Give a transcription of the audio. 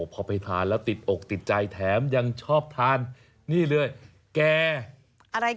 พอไปทานแล้วติดอกติดใจแถมยังชอบทานนี่เลยแก่อะไร